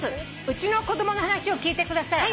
うちの子供の話を聞いてください」